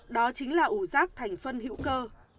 đó chính là ủ rác thành phân hữu cơ